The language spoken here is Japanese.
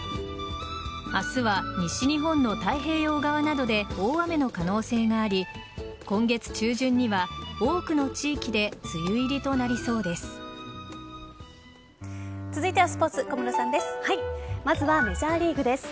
明日は西日本の太平洋側などで大雨の可能性があり今月中旬には多くの地域で梅雨入りとなりそうです。